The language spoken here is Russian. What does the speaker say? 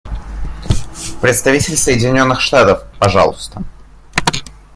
Представитель Соединенных Штатов, пожалуйста.